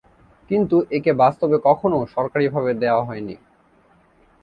কিন্তু একে বাস্তবে কখনও সরকারীভাবে দেওয়া হয়নি।